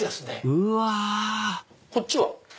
うわこっちは？